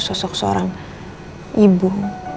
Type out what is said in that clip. sosok seorang ibu